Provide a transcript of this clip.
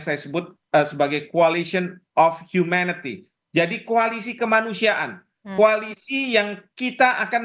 saya sebut sebagai coalition of humanity jadi koalisi kemanusiaan koalisi yang kita akan